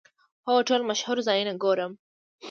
هو، ټول مشهور ځایونه ګورم